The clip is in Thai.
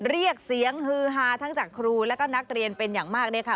เรียกเสียงฮือฮาทั้งจากครูแล้วก็นักเรียนเป็นอย่างมากเลยค่ะ